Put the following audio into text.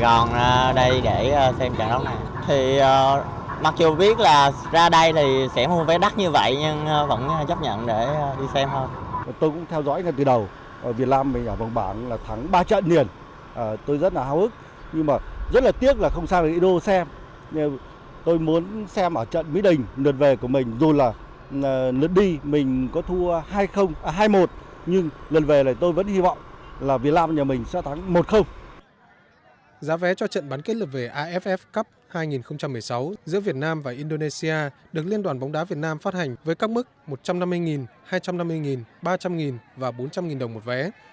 giá vé cho trận bán kết lượt về aff cup hai nghìn một mươi sáu giữa việt nam và indonesia được liên đoàn bóng đá việt nam phát hành với các mức một trăm năm mươi hai trăm năm mươi ba trăm linh và bốn trăm linh đồng một vé